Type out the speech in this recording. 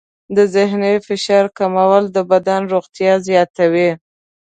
د ذهني فشار کمول د بدن روغتیا زیاتوي.